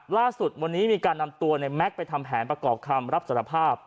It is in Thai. ล่าสุดวันนี้มีการนำตัวในแม็กซ์ไปทำแผนประกอบคำรับสารภาพ